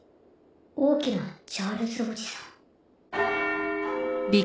大きなチャールズおじさん。